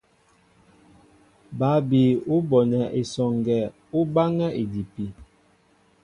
Bǎ bi ú bonɛ esɔŋgɛ ú báŋɛ́ idipi.